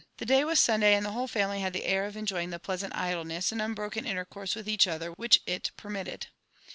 The day was Sunday, and the whole family had the air of 6fl}<>yiH(g fbe {feasant idleness, and unbroken intercourse with ei^h other, which it permitted.